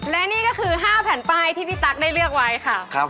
และนี่ก็คือ๕แผ่นป้ายที่พี่ตั๊กได้เลือกไว้ค่ะ